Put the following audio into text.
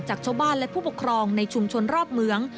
จากชาวบ้านและผู้ปกครองในชุมชนรอบเมือง